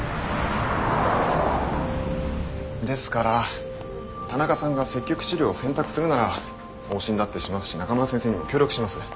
ですから田中さんが積極治療を選択するなら往診だってしますし中村先生にも協力します。